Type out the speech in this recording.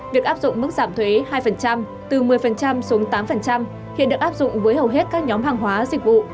việc áp dụng mức giảm thuế hai từ một mươi xuống tám hiện được áp dụng với hầu hết các nhóm hàng hóa dịch vụ